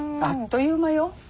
あっという間よ。